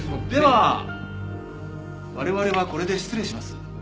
では我々はこれで失礼します。